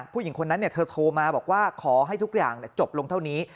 ผู้หญิงคนนั้นเธอโทรมาบอกว่าขอให้ทุกอย่างจบลงเท่านี้